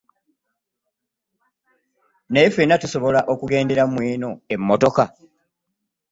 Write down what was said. Naye ffena tusobola okugendera mweno emmotoka?